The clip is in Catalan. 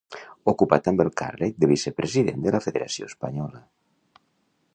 Ocupà també el càrrec de vicepresident de la federació espanyola.